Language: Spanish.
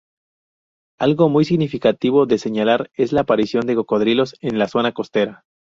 Algo muy significativo de señalar es la aparición de cocodrilos en la zona costera.